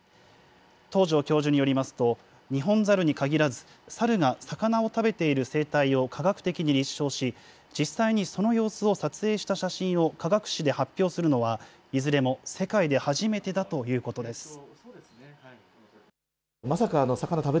東城教授によりますと、ニホンザルに限らず、サルが魚を食べている生態を科学的に立証し、実際にその様子を撮影した写真を科学誌で発表するのはいずれも世界で初めてだということです。